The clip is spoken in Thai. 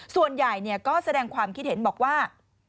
ส่วนใหญ่ก็แสดงความคิดเห็นบอกว่า